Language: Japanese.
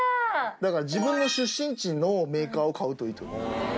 だから自分の出身地のメーカーを買うといいと思う。